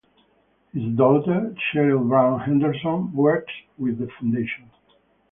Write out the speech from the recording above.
His daughter Cheryl Brown Henderson works with the foundation.